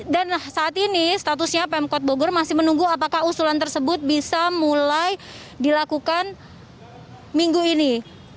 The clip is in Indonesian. dan saat ini statusnya pemkot bogor masih menunggu apakah usulan tersebut bisa mulai dilakukan minggu ini